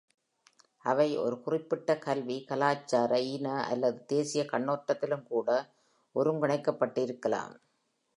அவை, ஒரு குறிப்பிட்ட கல்வி, கலாச்சார, இன, அல்லது தேசிய கண்ணோட்டத்திலும் கூட ஒருங்கிணைக்கப்பட்டு இருக்கலாம்.